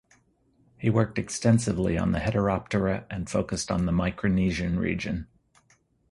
He worked extensively on the heteroptera and focused on the Micronesian region.